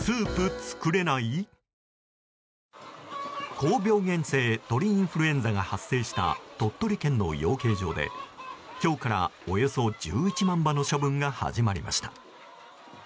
高病原性鳥インフルエンザが発生した鳥取県の養鶏場で今日から、およそ１１万羽の処分が始まりました。